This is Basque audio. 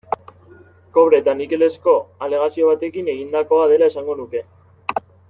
Kobre eta nikelezko aleazio batekin egindakoa dela esango nuke.